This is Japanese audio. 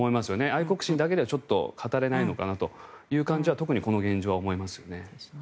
愛国心だけではちょっと語れないのかなという感じは特にこの現状では思いますね。